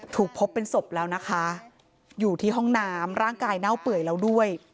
พบเป็นศพแล้วนะคะอยู่ที่ห้องน้ำร่างกายเน่าเปื่อยแล้วด้วย